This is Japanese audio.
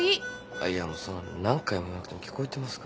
あっいやもうそんな何回も言わなくても聞こえてますから。